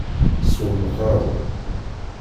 Swem lqahwa.